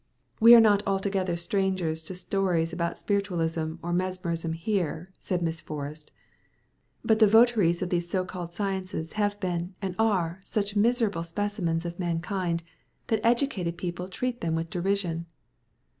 "We are not altogether strangers to stories about spiritualism or mesmerism here," said Miss Forrest, "but the votaries of these so called sciences have been and are such miserable specimens of mankind that educated people treat them with derision."